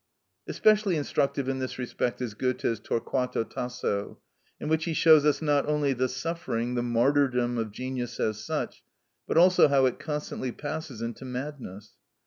Especially instructive in this respect is Goethe's "Torquato Tasso," in which he shows us not only the suffering, the martyrdom of genius as such, but also how it constantly passes into madness.